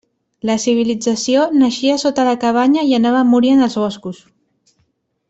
La civilització naixia sota la cabanya i anava a morir en els boscs.